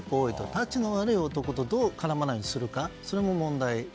たちの悪い男とどう絡まないようにするか。